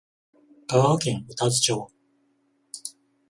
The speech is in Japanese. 香川県宇多津町